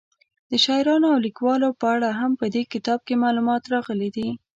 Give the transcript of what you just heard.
د شاعرانو او لیکوالو په اړه هم په دې کتاب کې معلومات راغلي دي.